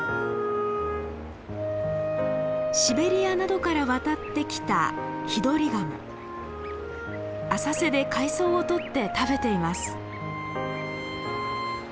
シベリアなどから渡ってきた浅瀬で海藻を採って食べています。